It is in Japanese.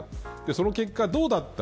その結果どうだった。